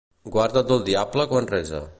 Guarda't del diable quan resa.